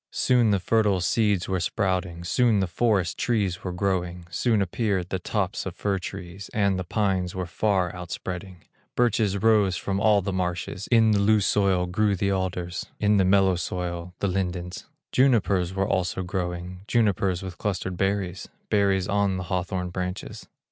Soon the fertile seeds were sprouting, Soon the forest trees were growing, Soon appeared the tops of fir trees, And the pines were far outspreading; Birches rose from all the marshes, In the loose soil grew the alders, In the mellow soil the lindens; Junipers were also growing, Junipers with clustered berries, Berries on the hawthorn branches.